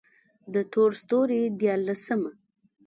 د تور ستوري ديارلسمه: